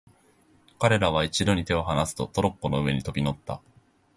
彼等は一度に手をはなすと、トロッコの上へ飛び乗った。